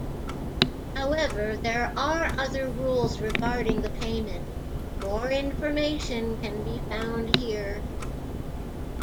However, there are other rules regarding the payment; more information can be found here.